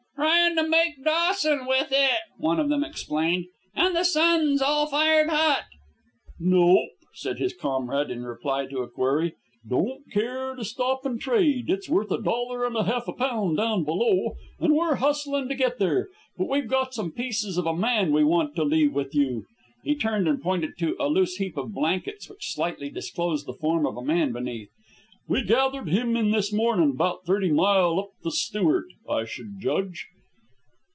"Tryin' to make Dawson with it," one of them explained, "and the sun's all fired hot." "Nope," said his comrade, in reply to a query, "don't care to stop and trade. It's worth a dollar and a half a pound down below, and we're hustlin' to get there. But we've got some pieces of a man we want to leave with you." He turned and pointed to a loose heap of blankets which slightly disclosed the form of a man beneath. "We gathered him in this mornin', 'bout thirty mile up the Stewart, I should judge."